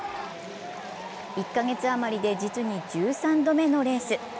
１カ月余りで実に１３度目のレース。